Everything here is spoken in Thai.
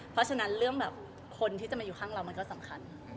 เพราะฉะนั้นเรื่องแบบคนที่จะมาอยู่ข้างเรามันก็สำคัญ